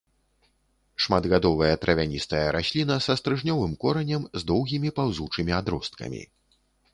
Шматгадовая травяністая расліна са стрыжнёвым коранем з доўгімі паўзучымі адросткамі.